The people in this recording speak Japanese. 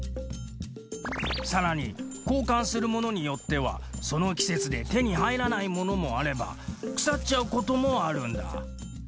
さらに交換するものによってはその季節で手に入らないものもあれば腐っちゃうこともあるんだ。